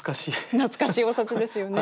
懐かしいお札ですよね。